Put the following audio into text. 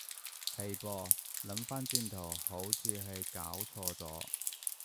係噃，諗返轉頭好似係攪錯咗